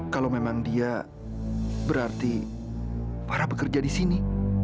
kalau memang dia berarti farah bekerja di sini